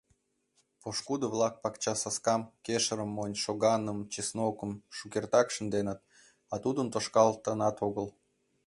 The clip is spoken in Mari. Пошкудо-влак пакчасаскам — кешырым монь, шоганым, чеснокым шукертак шынденыт, а тудын тошкалтынат огыл.